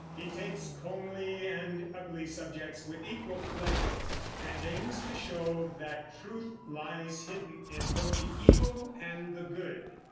He takes comely and ugly subjects with equal pleasure, and aims to show that truth lies hidden in both the evil and the good.